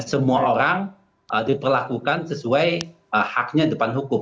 semua orang diperlakukan sesuai haknya depan hukum